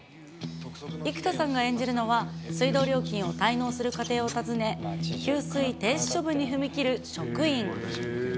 生田さんが演じるのは、水道料金が滞納する家庭を訪ね、給水停止処分に踏み切る職員。